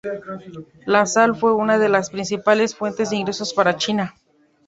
La sal fue una de las principales fuentes de ingresos para China.